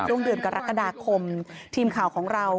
ช่วงเดือนกรกฎาคมทีมข่าวของเรา